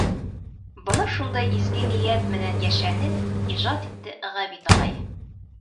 Бына шундай изге ниәт менән йәшәне, ижад итте Ғәбит ағай.